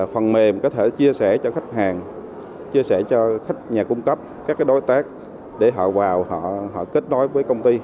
phần mềm có thể chia sẻ cho khách hàng chia sẻ cho khách nhà cung cấp các đối tác để họ vào họ kết nối với công ty